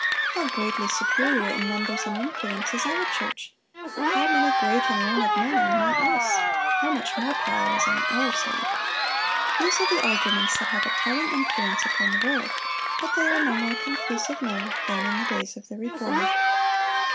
How greatly superior in numbers and influence is our church! How many great and learned men are among us! How much more power is on our side!" These are the arguments that have a telling influence upon the world; but they are no more conclusive now than in the days of the Reformer.